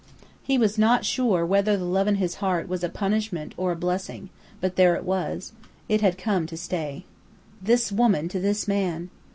He was not sure whether the love in his heart was a punishment or a blessing, but there it was. It had come to stay. "This woman to this man!"